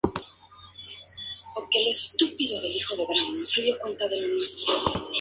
Fue hijo de Juan Erasmo Seguin y tío del General Ignacio Zaragoza.